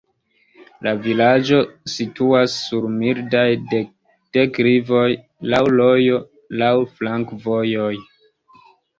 La vilaĝo situas sur mildaj deklivoj, laŭ rojo, laŭ flankovojoj.